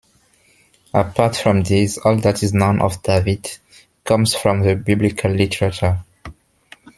Apart from these, all that is known of David comes from the biblical literature.